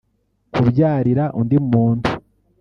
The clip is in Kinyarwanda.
Kubyarira undi muntu